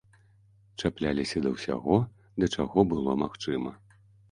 Чапляліся да ўсяго, да чаго было магчыма.